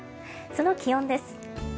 その気温です。